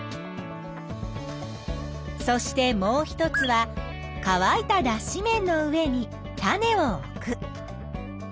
そしてもう一つはかわいただっし綿の上に種を置く。